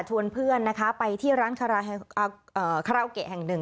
เพื่อนนะคะไปที่ร้านคาราโอเกะแห่งหนึ่ง